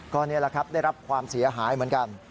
ก็นี่แหละครับได้รับความเสียหายเหมือนกัน